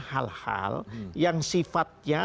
hal hal yang sifatnya